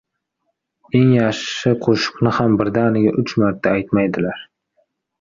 • Eng yaxshi qo‘shiqni ham birdaniga uch marta aytmaydilar.